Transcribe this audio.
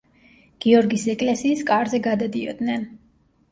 გიორგის ეკლესიის კარზე გადადიოდნენ.